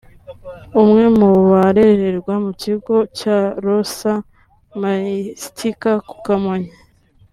umwe mu barererwa ku Kigo cya Rosa Mystica ku Kamonyi